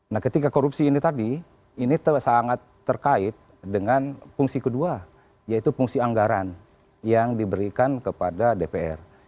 nah ketika korupsi ini tadi ini sangat terkait dengan fungsi kedua yaitu fungsi anggaran yang diberikan kepada dpr